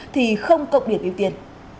thì không cộng điểm ưu tiên